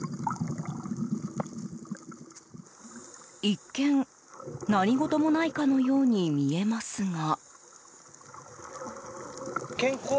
一見、何事もないかのように見えますが。